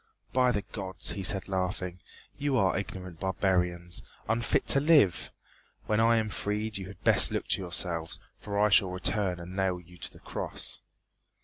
"By the Gods," he said laughing, "you are ignorant barbarians, unfit to live. When I am freed you had best look to yourselves, for I shall return and nail you to the cross."